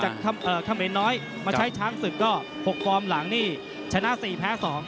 หลังจากเกณฑ์น้อยมาใช้ช้างสึกก็๖ฟอร์มหลังนี้ชนะ๔แพ้๒